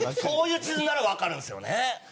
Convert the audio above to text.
そういう地図ならわかるんですよね。